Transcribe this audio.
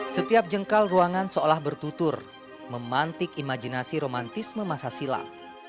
setiap jengkal ruangan seolah bertutur memantik imajinasi romantisme masa silam